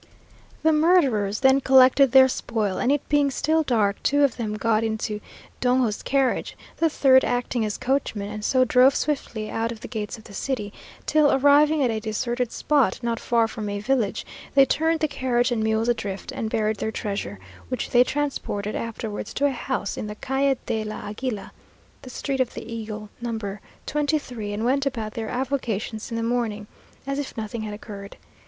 The murderers then collected their spoil, and it being still dark, two of them got into Dongo's carriage, the third acting as coachman, and so drove swiftly out of the gates of the city, till, arriving at a deserted spot, not far from a village, they turned the carriage and mules adrift, and buried their treasure, which they transported afterwards to a house in the Calle de la Aguila (the street of the eagle), No. 23; and went about their avocations in the morning, as if nothing had occurred.